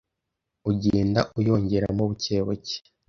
ugenda uyongeramo bucye bucye